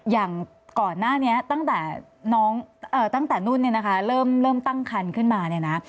อย่างก่อนหน้านี้ตั้งแต่นู่นเริ่มตั้งครรภ์ขึ้นมา